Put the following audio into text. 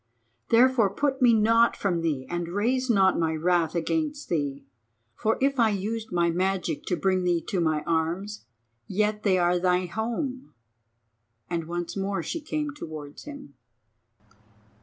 Therefore put me not from thee and raise not my wrath against thee, for if I used my magic to bring thee to my arms, yet they are thy home." And once more she came towards him.